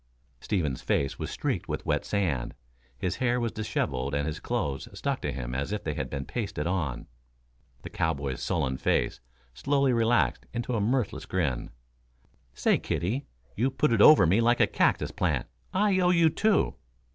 Stevens's face was streaked with wet sand, his hair was disheveled and his clothes stuck to him as if they had been pasted on. The cowboy's sullen face slowly relaxed into a mirthless grin. "Say, kiddie, you put it over me like a cactus plant. I owe you two."